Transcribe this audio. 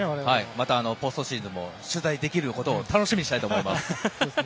またポストシーズンも取材できることを楽しみにしたいと思います。